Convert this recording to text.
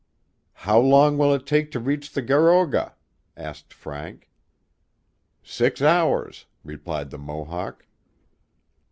How long will it take to reach the Garoga?" asked Frank. Six hours,'* replied the Mohawk.